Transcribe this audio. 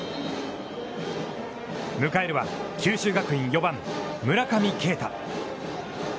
迎えるは九州学院、４番村上慶太。